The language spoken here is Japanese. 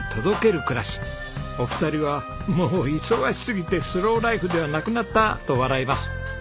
お二人は「もう忙しすぎてスローライフではなくなった」と笑います。